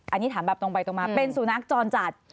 อันนี้ถามแบบตรงไปตรงมาเป็นสุนัขจรจัด